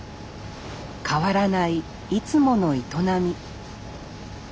変わらないいつもの営み。